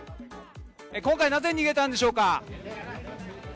今回なぜ逃げたんでしょうか。